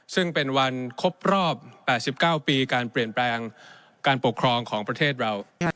ซึ่งเป็นวันครบรอบ๘๙ปีการเปลี่ยนแปลงการปกครองของประเทศเรา